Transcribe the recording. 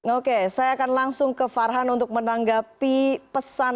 oke saya akan langsung ke farhan untuk menanggapi pesan